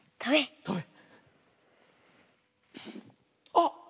あっ！